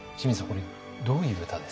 これどういう歌ですか？